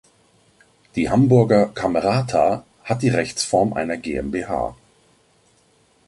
Die Hamburger Camerata hat die Rechtsform einer GmbH.